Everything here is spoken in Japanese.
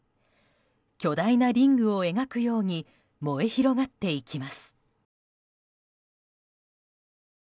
巨大なリングを描くように燃え広がっていきます。